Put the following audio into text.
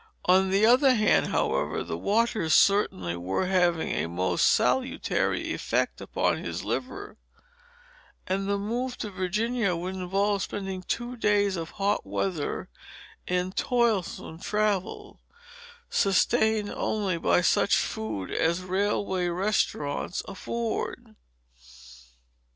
On the other hand, however, the waters certainly were having a most salutary effect upon his liver; and the move to Virginia would involve spending two days of hot weather in toilsome travel, sustained only by such food as railway restaurants afford.